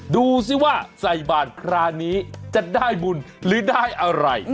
ดูสิว่าใส่บาทคราวนี้จะได้บุญหรือได้อะไร